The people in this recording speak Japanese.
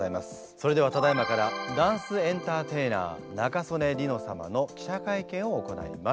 それではただいまからダンスエンターテイナー仲宗根梨乃様の記者会見を行います。